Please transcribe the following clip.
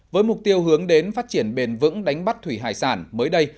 với mục tiêu hướng đến phát triển bền vững đánh bắt thủy hải sản mới đây